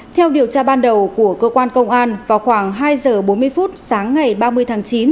theo điều tra ban đầu của cơ quan công an vào khoảng hai giờ bốn mươi phút sáng ngày ba mươi tháng chín